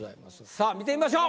さぁ見てみましょう。